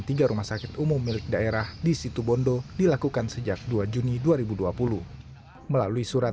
tiga rumah sakit umum milik daerah di situ bondo dilakukan sejak dua juni dua ribu dua puluh melalui surat